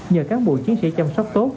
nhờ cán bộ chiến sĩ chăm sóc tốt